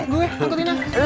gue angkatin aja